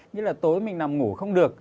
nghĩa là tối mình nằm ngủ không được